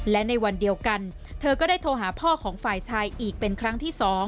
และในวันเดียวกันเธอก็ได้โทรหาพ่อของฝ่ายชายอีกเป็นครั้งที่๒